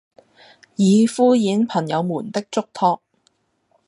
以敷衍朋友們的囑托，